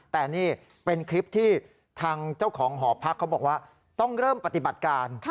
แต่นี่เป็นคลิปที่ทางเจ้าของหอพักเขาบอกว่าต้องเริ่มปฏิบัติการ